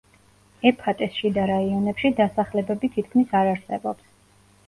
ეფატეს შიდა რაიონებში დასახლებები თითქმის არ არსებობს.